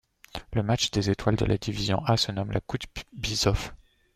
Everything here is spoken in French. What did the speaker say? Le Match des étoiles de la Division A se nomme la Coupe Byzov.